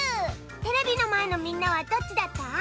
テレビのまえのみんなはどっちだった？